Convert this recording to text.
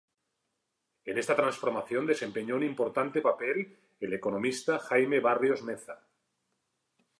En esta transformación desempeñó un importante papel, el economista Jaime Barrios Meza.